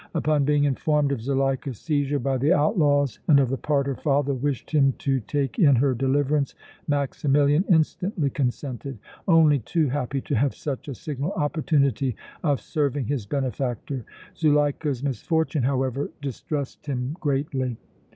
Upon being informed of Zuleika's seizure by the outlaws and of the part her father wished him to take in her deliverance, Maximilian instantly consented, only too happy to have such a signal opportunity of serving his benefactor. Zuleika's misfortune, however, distressed him greatly.